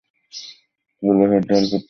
গোলাপের ডাল পুঁততে হবে।